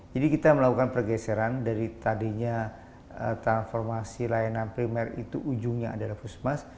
jadi kita melakukan pergeseran dari tadinya transformasi layanan primer itu ujungnya adalah pusmas